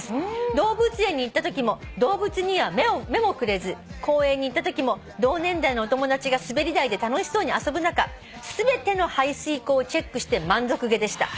「動物園に行ったときも動物には目もくれず公園に行ったときも同年代のお友達が滑り台で楽しそうに遊ぶ中全ての排水溝をチェックして満足げでした」